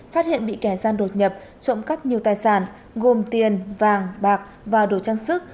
phát hiện bị kẻ gian đột nhập trộm cắp nhiều tài sản gồm tiền vàng bạc và đồ trang sức